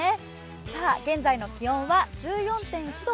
現在の気温は１４．１度。